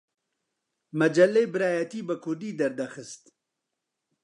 مەجەللەی برایەتی بە کوردی دەردەخست